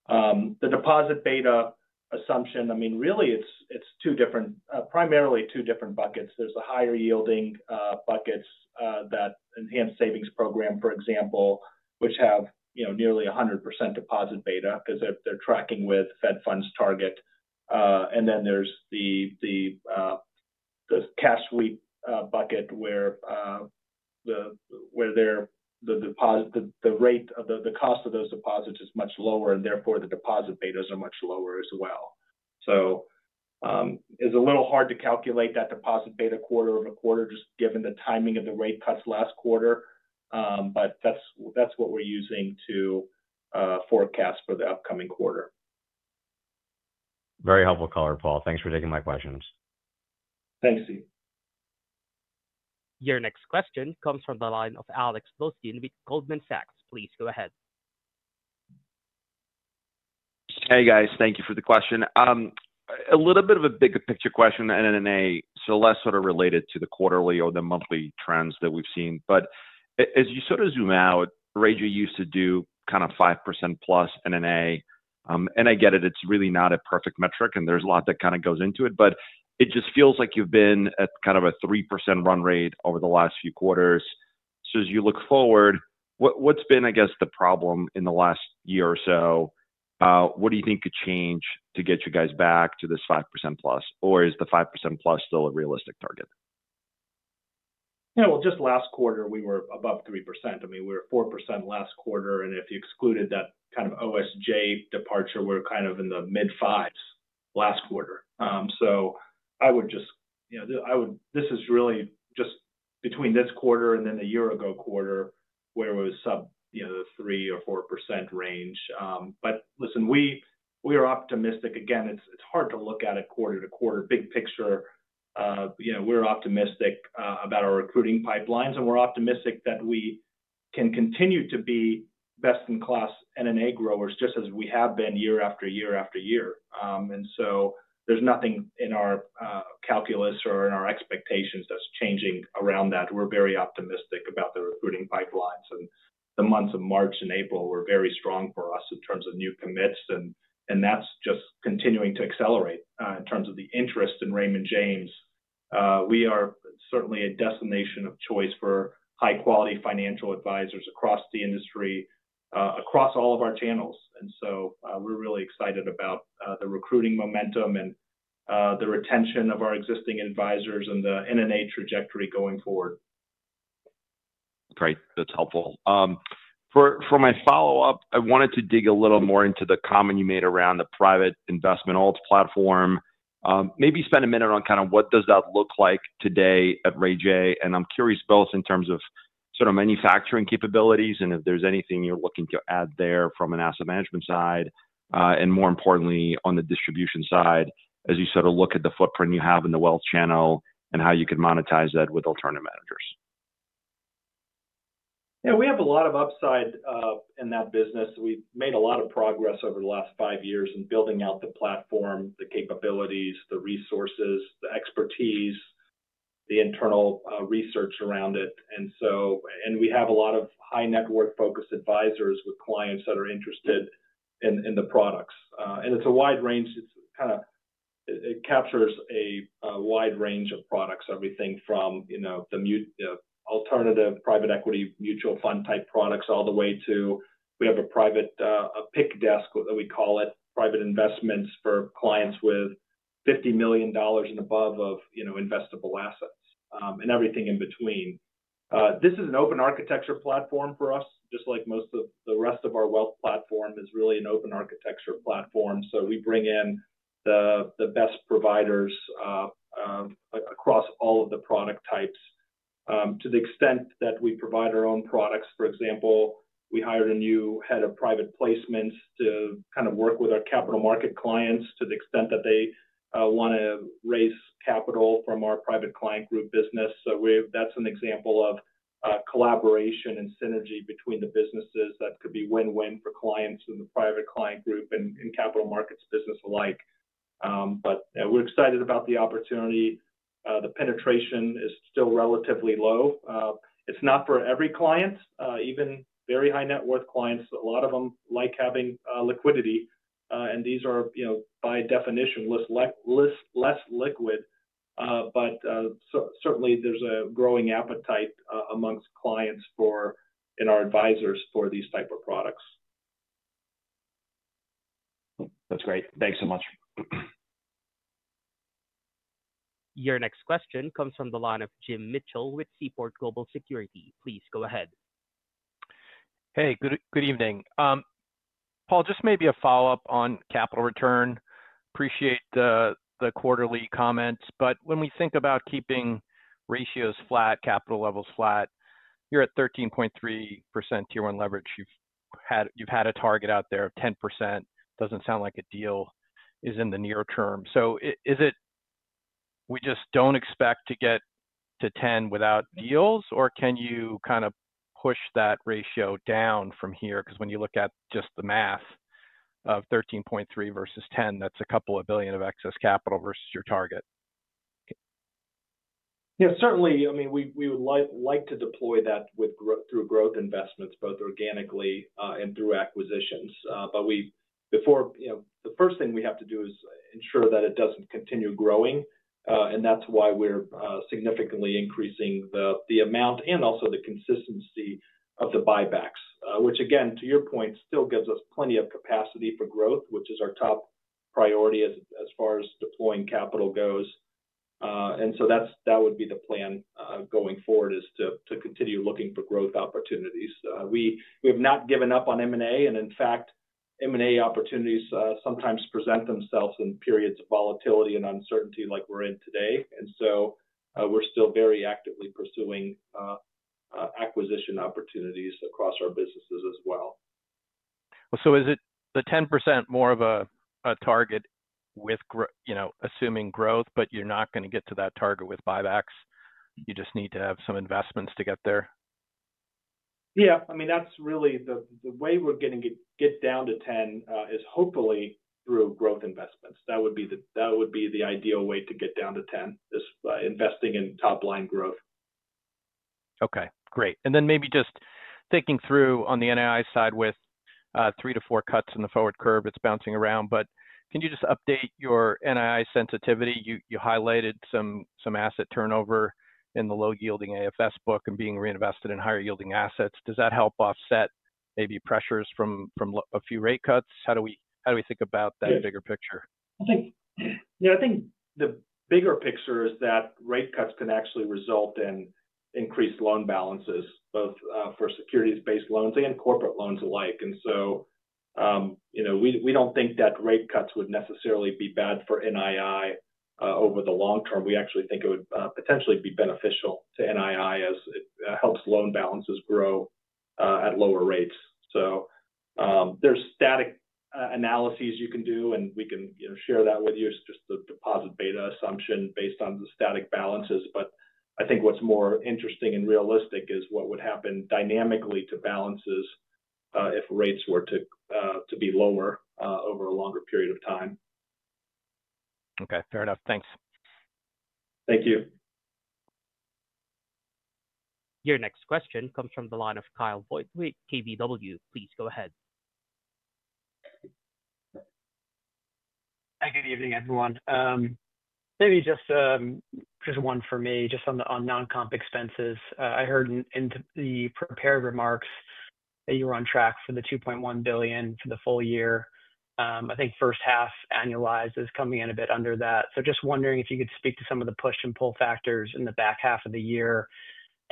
Speaker 2: The deposit beta assumption, I mean, really, it's primarily two different buckets. There's the higher-yielding buckets, that Enhanced Savings Program, for example, which have nearly 100% deposit beta because they're tracking with Fed Funds target. Then there's the Cash Sweep bucket where the rate of the cost of those deposits is much lower, and therefore, the deposit betas are much lower as well. It's a little hard to calculate that deposit beta quarter-over-quarter just given the timing of the rate cuts last quarter, but that's what we're using to forecast for the upcoming quarter.
Speaker 9: Very helpful, color Paul. Thanks for taking my questions.
Speaker 2: Thanks, Steven.
Speaker 4: Your next question comes from the line of Alex Blostein with Goldman Sachs. Please go ahead.
Speaker 10: Hey, guys. Thank you for the question. A little bit of a bigger-picture question on NNA, so less sort of related to the quarterly or the monthly trends that we've seen. As you sort of zoom out, Raymond James used to do kind of 5%+ NNA. I get it. It's really not a perfect metric, and there's a lot that kind of goes into it. It just feels like you've been at kind of a 3% run rate over the last few quarters. As you look forward, what's been, I guess, the problem in the last year or so? What do you think could change to get you guys back to this 5%+? Is the 5%+ still a realistic target?
Speaker 2: Yeah. Just last quarter, we were above 3%. I mean, we were 4% last quarter. If you excluded that kind of OSJ departure, we're kind of in the mid-fives last quarter. I would just—this is really just between this quarter and then the year-ago quarter where it was sub the 3% or 4% range. Listen, we are optimistic. Again, it's hard to look at it quarter-to-quarter, big picture. We are optimistic about our recruiting pipelines, and we are optimistic that we can continue to be best-in-class NNA growers just as we have been year after year-after-year. There is nothing in our calculus or in our expectations that's changing around that. We are very optimistic about the recruiting pipelines. The months of March and April were very strong for us in terms of new commits. That is just continuing to accelerate in terms of the interest in Raymond James. We are certainly a destination of choice for high-quality financial advisors across the industry, across all of our channels. We are really excited about the recruiting momentum and the retention of our existing advisors and the NNA trajectory going forward.
Speaker 10: Great. That's helpful. For my follow-up, I wanted to dig a little more into the comment you made around the private investment alts platform. Maybe spend a minute on kind of what does that look like today at Raymond James. I'm curious both in terms of sort of manufacturing capabilities and if there's anything you're looking to add there from an asset management side and, more importantly, on the distribution side, as you sort of look at the footprint you have in the wealth channel and how you can monetize that with alternative managers.
Speaker 2: Yeah. We have a lot of upside in that business. We've made a lot of progress over the last five years in building out the platform, the capabilities, the resources, the expertise, the internal research around it. We have a lot of high-net-worth focused advisors with clients that are interested in the products. It is a wide range; it captures a wide range of products, everything from the alternative private equity mutual fund type products all the way to we have a private investments desk, what we call it, private investments for clients with $50 million and above of investable assets and everything in between. This is an open architecture platform for us, just like most of the rest of our wealth platform is really an open architecture platform. We bring in the best providers across all of the product types to the extent that we provide our own products. For example, we hired a new Head of Private Placements to kind of work with our Capital Markets clients to the extent that they want to raise capital from our Private Client Group business. That's an example of collaboration and synergy between the businesses. That could be win-win for clients in the Private Client Group and Capital Markets business alike. We're excited about the opportunity. The penetration is still relatively low. It's not for every client, even very high-net-worth clients. A lot of them like having liquidity. These are, by definition, less liquid. Certainly, there's a growing appetite amongst clients and our advisors for these types of products.
Speaker 10: That's great. Thanks so much.
Speaker 4: Your next question comes from the line of Jim Mitchell with Seaport Global Securities. Please go ahead.
Speaker 11: Hey, good evening. Paul, just maybe a follow-up on capital return. Appreciate the quarterly comments. When we think about keeping ratios flat, capital levels flat, you're at 13.3% Tier 1 leverage. You've had a target out there of 10%. Doesn't sound like a deal is in the near term. We just don't expect to get to 10 without deals, or can you kind of push that ratio down from here? Because when you look at just the math of 13.3% versus 10%, that's a couple of billion of excess capital versus your target.
Speaker 2: Yeah. Certainly, I mean, we would like to deploy that through growth investments, both organically and through acquisitions. The first thing we have to do is ensure that it doesn't continue growing. That is why we're significantly increasing the amount and also the consistency of the buybacks, which, again, to your point, still gives us plenty of capacity for growth, which is our top priority as far as deploying capital goes. That would be the plan going forward, to continue looking for growth opportunities. We have not given up on M&A. In fact, M&A opportunities sometimes present themselves in periods of volatility and uncertainty like we're in today. We are still very actively pursuing acquisition opportunities across our businesses as well.
Speaker 11: Is the 10% more of a target with assuming growth, but you're not going to get to that target with buybacks? You just need to have some investments to get there?
Speaker 2: Yeah. I mean, that's really the way we're going to get down to 10 is hopefully through growth investments. That would be the ideal way to get down to 10 is investing in top-line growth.
Speaker 11: Okay. Great. Maybe just thinking through on the NII side with three to four cuts in the forward curve, it's bouncing around. Can you just update your NII sensitivity? You highlighted some asset turnover in the low-yielding AFS book and being reinvested in higher-yielding assets. Does that help offset maybe pressures from a few rate cuts? How do we think about that bigger picture?
Speaker 2: Yeah. I think the bigger picture is that rate cuts can actually result in increased loan balances, both for securities-based loans and corporate loans alike. We do not think that rate cuts would necessarily be bad for NII over the long term. We actually think it would potentially be beneficial to NII as it helps loan balances grow at lower rates. There are static analyses you can do, and we can share that with you. It's just the deposit beta assumption based on the static balances. I think what's more interesting and realistic is what would happen dynamically to balances if rates were to be lower over a longer period of time.
Speaker 11: Okay. Fair enough. Thanks.
Speaker 2: Thank you.
Speaker 4: Your next question comes from the line of Kyle Voigt with KBW. Please go ahead.
Speaker 12: Hi, good evening, everyone. Maybe just one for me, just on non-comp expenses. I heard in the prepared remarks that you were on track for the $2.1 billion for the full year. I think first half annualized is coming in a bit under that. Just wondering if you could speak to some of the push and pull factors in the back half of the year.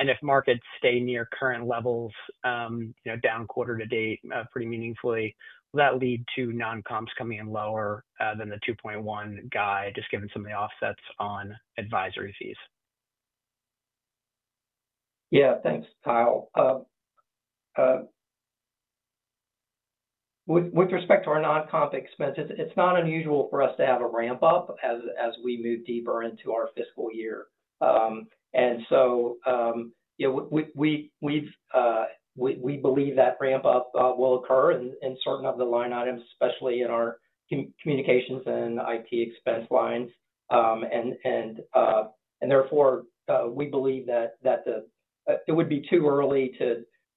Speaker 12: If markets stay near current levels down quarter to date pretty meaningfully, will that lead to non-comps coming in lower than the $2.1 billion guide, just given some of the offsets on advisory fees?
Speaker 3: Yeah. Thanks, Kyle. With respect to our non-comp expenses, it is not unusual for us to have a ramp-up as we move deeper into our fiscal year. We believe that ramp-up will occur in certain of the line items, especially in our communications and IT expense lines. Therefore, we believe that it would be too early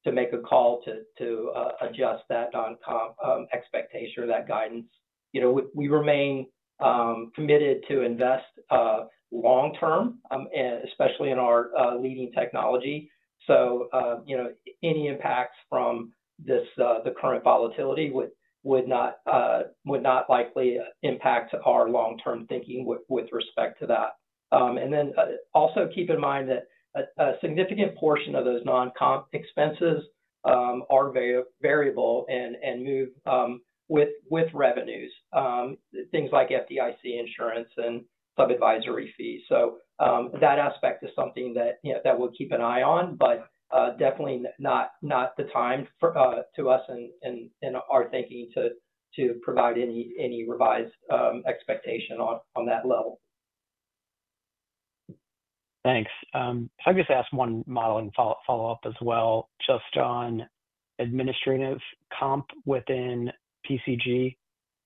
Speaker 3: to make a call to adjust that non-comp expectation or that guidance. We remain committed to invest long-term, especially in our leading technology. Any impacts from the current volatility would not likely impact our long-term thinking with respect to that. Also keep in mind that a significant portion of those non-comp expenses are variable and move with revenues, things like FDIC insurance and sub-advisory fees. That aspect is something that we'll keep an eye on, but definitely not the time for us in our thinking to provide any revised expectation on that level.
Speaker 12: Thanks. I just asked one modeling follow-up as well. Just on administrative comp within PCG,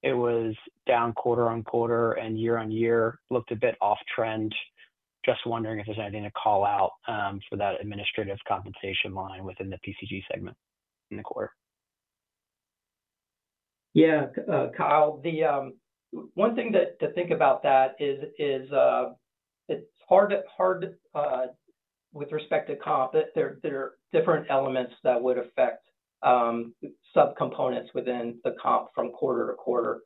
Speaker 12: it was down quarter-on-quarter and year-on-year, looked a bit off-trend. Just wondering if there's anything to call out for that administrative compensation line within the PCG segment in the quarter.
Speaker 3: Yeah. Kyle, one thing to think about that is it's hard with respect to comp. There are different elements that would affect subcomponents within the comp from quarter-to-quarter.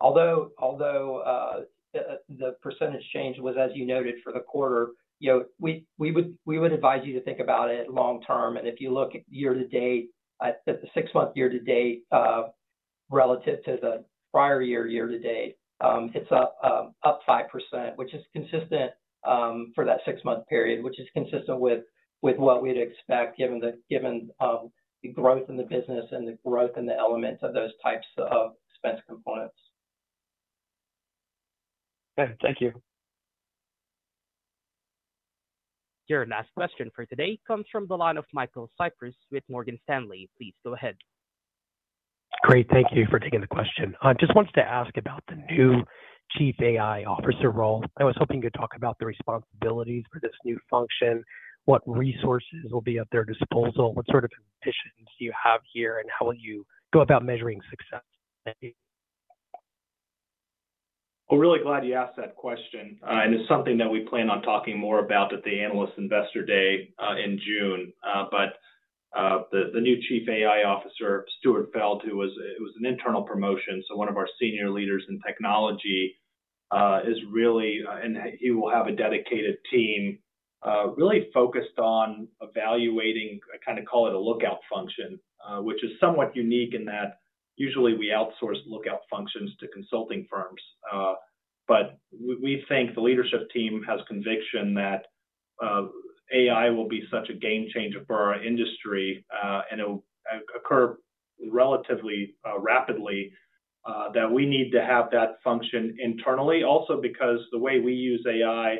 Speaker 3: Although the percentage change was, as you noted, for the quarter, we would advise you to think about it long-term. If you look year-to-date, at the six-month year-to-date relative to the prior year year-to-date, it is up 5%, which is consistent for that six-month period, which is consistent with what we would expect given the growth in the business and the growth in the elements of those types of expense components.
Speaker 12: Thank you.
Speaker 4: Your last question for today comes from the line of Michael Cyprys with Morgan Stanley. Please go ahead. Great.
Speaker 13: Thank you for taking the question. Just wanted to ask about the new Chief AI Officer role. I was hoping you could talk about the responsibilities for this new function, what resources will be at their disposal, what sort of ambitions do you have here, and how will you go about measuring success?
Speaker 2: Really glad you asked that question. It is something that we plan on talking more about at the Analyst Investor Day in June. The new Chief AI Officer, Stuart Feld, who was an internal promotion, so one of our senior leaders in technology, is really—he will have a dedicated team really focused on evaluating—I kind of call it a lookout function, which is somewhat unique in that usually we outsource lookout functions to consulting firms. We think the leadership team has conviction that AI will be such a game changer for our industry and it will occur relatively rapidly that we need to have that function internally. Also because the way we use AI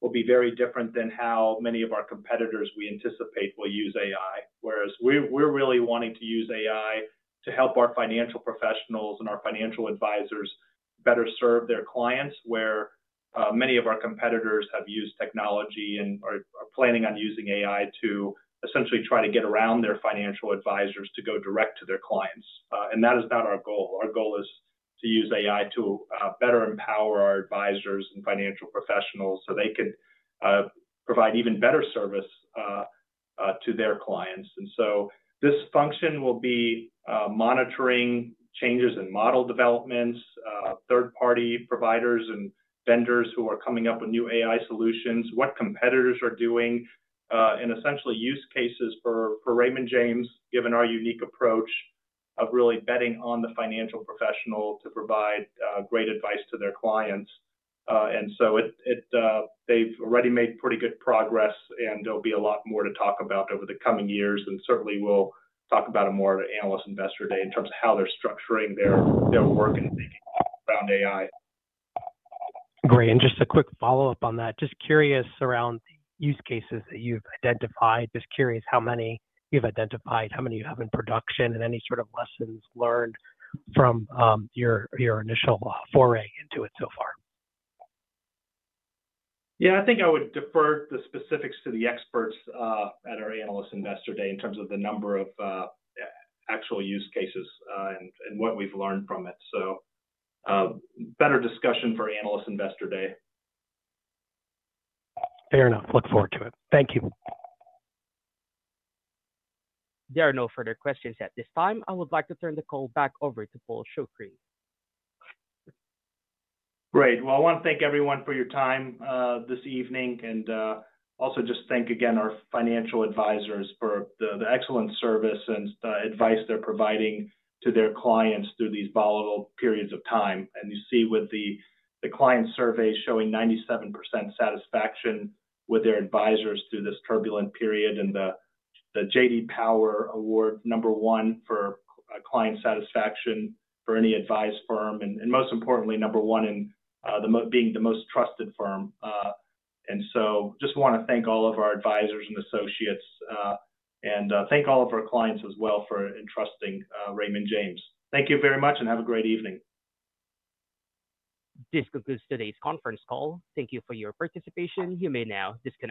Speaker 2: will be very different than how many of our competitors we anticipate will use AI. Whereas we're really wanting to use AI to help our financial professionals and our financial advisors better serve their clients, where many of our competitors have used technology and are planning on using AI to essentially try to get around their financial advisors to go direct to their clients. That is not our goal. Our goal is to use AI to better empower our advisors and financial professionals so they could provide even better service to their clients. This function will be monitoring changes in model developments, third-party providers and vendors who are coming up with new AI solutions, what competitors are doing, and essentially use cases for Raymond James, given our unique approach of really betting on the financial professional to provide great advice to their clients. They have already made pretty good progress, and there will be a lot more to talk about over the coming years. We will talk about it more at Analyst Investor Day in terms of how they are structuring their work and thinking around AI.
Speaker 13: Great. Just a quick follow-up on that. Just curious around the use cases that you have identified. Just curious how many you have identified, how many you have in production, and any sort of lessons learned from your initial foray into it so far?.
Speaker 2: Yeah. I think I would defer the specifics to the experts at our Analyst Investor Day in terms of the number of actual use cases and what we've learned from it. Better discussion for Analyst Investor Day.
Speaker 13: Fair enough. Look forward to it. Thank you.
Speaker 4: There are no further questions at this time. I would like to turn the call back over to Paul Shoukry.
Speaker 2: Great. I want to thank everyone for your time this evening and also just thank again our financial advisors for the excellent service and advice they're providing to their clients through these volatile periods of time. You see with the client survey showing 97% satisfaction with their advisors through this turbulent period and the J.D. Power Award number one for client satisfaction for any advised firm and most importantly, number one in being the most trusted firm. I just want to thank all of our advisors and associates and thank all of our clients as well for entrusting Raymond James. Thank you very much and have a great evening.
Speaker 4: This concludes today's conference call. Thank you for your participation. You may now disconnect.